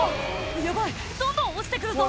「ヤバいどんどん落ちて来るぞ」